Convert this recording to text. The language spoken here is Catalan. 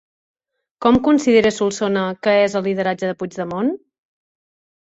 Com considera Solsona que és el lideratge de Puigdemont?